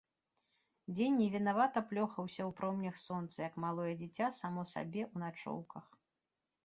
Дзень невінавата плёхаўся ў промнях сонца, як малое дзіця само сабе ў начоўках.